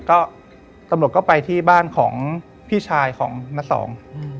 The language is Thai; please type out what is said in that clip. ก็ตำรวจก็ไปที่บ้านของพี่ชายของน้าสองอืม